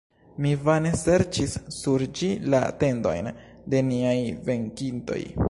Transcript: Mi vane serĉis sur ĝi la tendojn de niaj venkintoj.